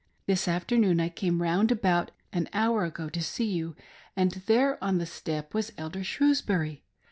This afternoon I came round about an hour ago to see, you, and there on the step was Elder Shrews bury.